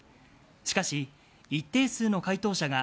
しかし、一定数の回答者が、